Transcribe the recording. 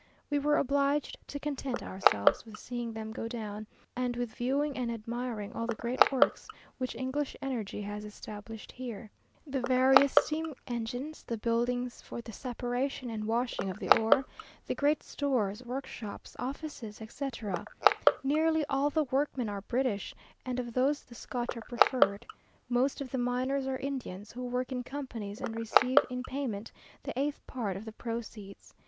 We were obliged to content ourselves with seeing them go down, and with viewing and admiring all the great works which English energy has established here; the various steam engines, the buildings for the separation and washing of the ore; the great stores, workshops, offices, etc. Nearly all the workmen are British, and of these the Scotch are preferred. Most of the miners are Indians, who work in companies, and receive in payment the eighth part of the proceeds.